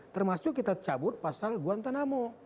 termasuk kita cabut pasal guantanamo